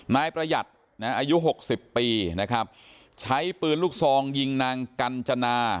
นายประหยัดอายุ๖๐ปีนะครับใช้ปืนลูกทรองยิงนางกันจณา